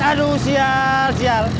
aduh sial sial